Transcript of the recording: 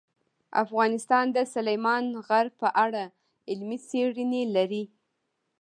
افغانستان د سلیمان غر په اړه علمي څېړنې لري.